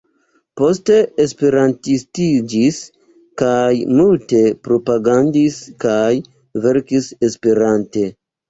Poste Esperantistiĝis kaj multe propagandis kaj verkis Esperante.